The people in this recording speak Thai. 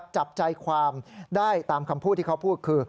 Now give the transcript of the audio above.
จับใจความได้ตามคำพูดที่เขาพูดคือ